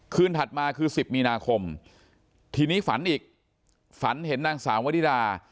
คืนถัดมาคือ๑๐มีคมทีนี้ฝันอีกฝันเห็นนางสาววัย๖ควบ